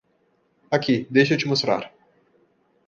Aqui, deixa eu te mostrar.